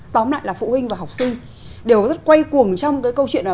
tóm lại là phụ huynh và học sinh đều rất quay cuồng trong cái câu chuyện này